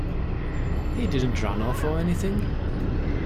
He didn't run off, or anything.